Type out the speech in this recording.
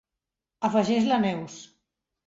Afegeix la Neus—.